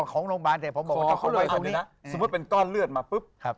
ของลุงเองเลยแบบอ่ะ